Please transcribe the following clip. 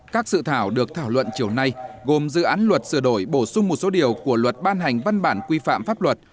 các sự thảo được thảo luận chiều nay gồm dự án luật sửa đổi bổ sung một số điều của luật ban hành văn bản quy phạm pháp luật